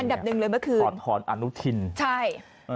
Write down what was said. อันดับนึงเลยเมื่อคืนใช่